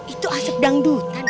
itu asap dangdut